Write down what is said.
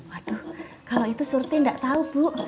waduh kalau itu surti enggak tahu bu